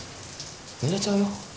ぬれちゃうよ。